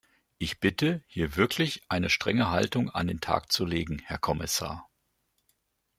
Ich bitte, hier wirklich eine strenge Haltung an den Tag zu legen, Herr Kommissar!